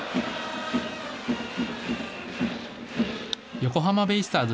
横浜ベイスターズ